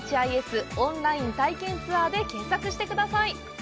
オンライン体験ツアーで検索してください！